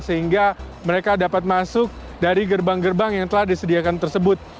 sehingga mereka dapat masuk dari gerbang gerbang yang telah disediakan tersebut